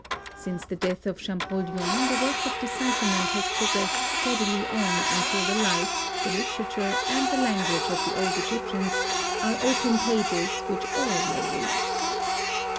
Since the death of Champollion the work of decipherment has progressed steadily on until the life, the literature and the language of the old Egyptians are open pages which all may read.